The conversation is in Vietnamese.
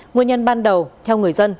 nguyên nhân ban đầu theo người dân